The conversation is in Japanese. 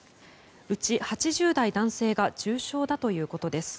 うち８０代の男性が重症だということです。